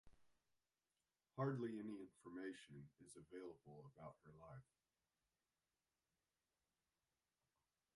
Hardly any information is available about her life.